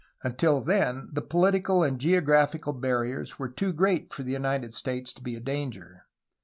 Until then the political and geographical barriers were too great for the United States to be a danger.